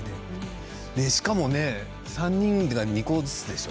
しかも、３人が２個ずつでしょ。